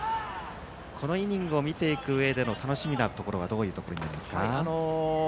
このイニングを見ていくうえでの楽しみなところはどこになりますか。